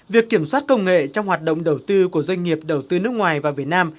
việc kiểm soát công nghệ trong hoạt động đầu tư của doanh nghiệp đầu tư nước ngoài vào việt nam